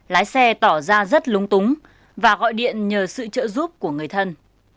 lái xe tỏ ra rất lúng túng và gọi điện nhờ sự trợ giúp của người thân